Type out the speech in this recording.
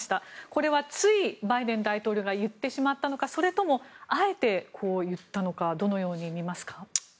これはつい、バイデン大統領が言ってしまったのかそれとも、あえてこう言ったのかどのように見ますか。